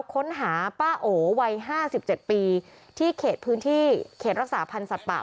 ค้นหาป้าโอวัย๕๗ปีที่เขตพื้นที่เขตรักษาพันธ์สัตว์ป่า